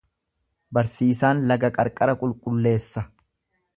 Barsiisaan laga qarqara qulqulleessa.